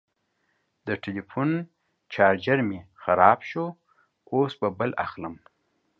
د ټلیفون چارجر مې خراب شو، اوس به بل اخلم.